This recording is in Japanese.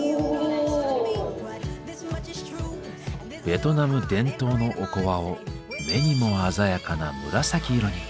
ベトナム伝統のおこわを目にも鮮やかな紫色に。